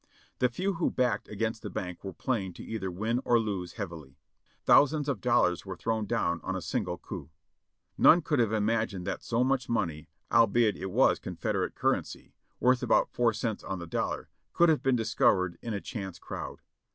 The few who backed against the bank were playing to either win or lose heavily. Thousands of dollars were thrown down on a single coup. None could have imagined that so much money, albeit it was Confederate cur rency, worth about four cents on the dollar, could have been discovered in a chance crowd.